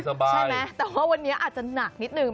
ใช่ไหมแต่ว่าวันนี้อาจจะหนักนิดนึง